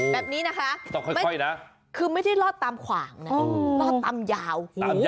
แบบนี้นะคะต้องค่อยนะคือไม่ได้รอดตามขวางนะรอดตามยาว